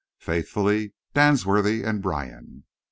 Faithfully, Danesworthy & Bryan.